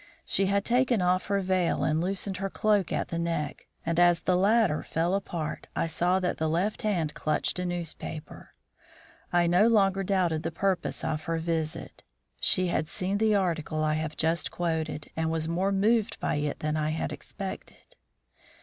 She had taken off her veil and loosened her cloak at the neck; and as the latter fell apart I saw that the left hand clutched a newspaper. I no longer doubted the purpose of her visit. She had seen the article I have just quoted, and was more moved by it than I had expected.